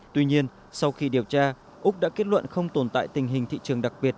tuy nhiên sau khi điều tra úc đã kết luận không tồn tại tình hình thị trường đặc biệt